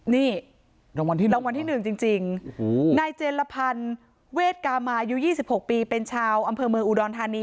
นี่รางวัลที่หนึ่งจริงนายเจรพันธ์เวชกามายู๒๖ปีเป็นชาวอำเภอเมออุดรธานี